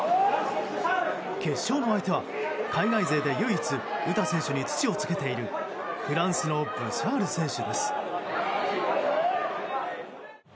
決勝の相手は海外勢で唯一、詩選手に土をつけているフランスのブシャール選手です。